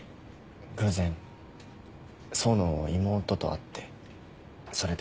偶然想の妹と会ってそれで。